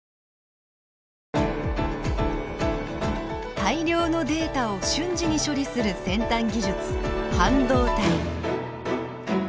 大量のデータを瞬時に処理する先端技術半導体。